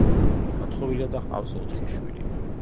გათხოვილია და ჰყავს ოთხი შვილი.